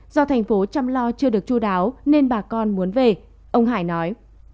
do thành phố chăm lo chưa được chú đáo nên bà con muốn về ông hải nói